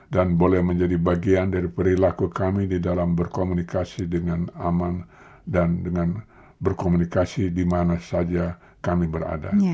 dan boleh menjadi bagian dari perilaku kami di dalam berkomunikasi dengan aman dan dengan berkomunikasi di mana saja kami berada